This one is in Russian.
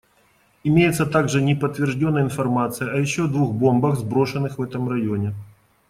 Имеется также неподтвержденная информация о еще двух бомбах, сброшенных в этом районе.